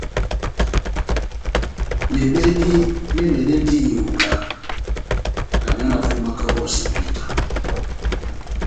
Mebɛdi me mɛdɛndi iyonga na miɔ na pumaka o hosipita.